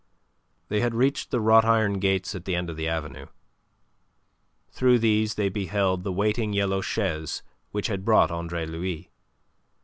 They had reached the wrought iron gates at the end of the avenue. Through these they beheld the waiting yellow chaise which had brought Andre Louis.